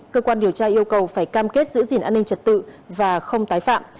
cơ quan điều tra yêu cầu phải cam kết giữ gìn an ninh trật tự và không tái phạm